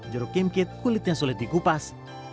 jeruk kimkit kulitnya sulit dikupas